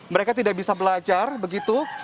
mereka tidak bisa belajar begitu